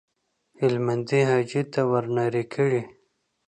هلمندي حاجي ته ورنارې کړې.